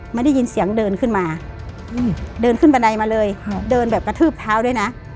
ไม่ได้ยินเสียงเดินขึ้นมาเดินขึ้นบันไดมาเลยเดินแบบกระทืบเท้าด้วยนะ